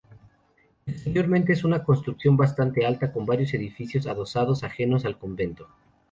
Exteriormente es una construcción bastante alta, con varios edificios adosados, ajenos al convento.